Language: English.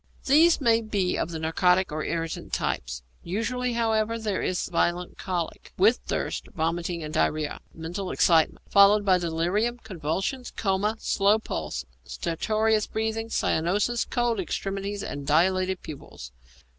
_ These may be of the narcotic or irritant types. Usually, however, there is violent colic, with thirst, vomiting, and diarrhoea, mental excitement, followed by delirium, convulsions, coma, slow pulse, stertorous breathing, cyanosis, cold extremities, and dilated pupils.